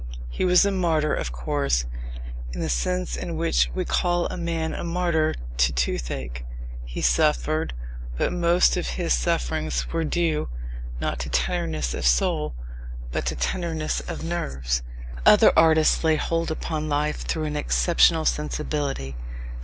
He was a martyr, of course, in the sense in which we call a man a martyr to toothache. He suffered; but most of his sufferings were due, not to tenderness of soul, but to tenderness of nerves. Other artists lay hold upon life through an exceptional sensibility.